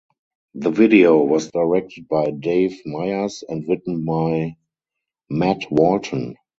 The video was directed by Dave Meyers and written by Matt Walton.